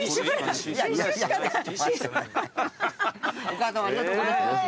お母さんもありがとうございます。